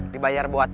dibayar buat apa